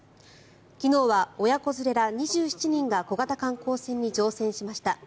昨日は、親子連れら２７人が小型観光船に乗船しました。